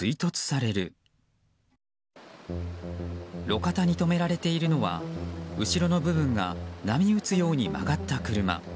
路肩に止められているのは後ろの部分が波打つように曲がった車。